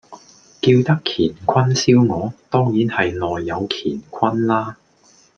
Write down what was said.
叫得乾坤燒鵝，當然係內有乾坤啦